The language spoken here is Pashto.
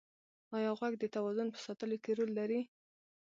ایا غوږ د توازن په ساتلو کې رول لري؟